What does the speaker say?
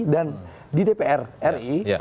dan di dpr ri